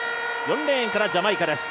４レーンからジャマイカです。